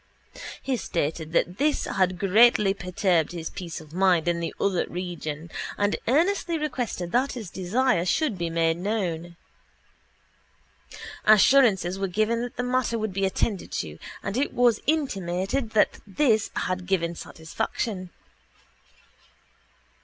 He stated that this had greatly perturbed his peace of mind in the other region and earnestly requested that his desire should be made known. Assurances were given that the matter would be attended to and it was intimated that this had given satisfaction.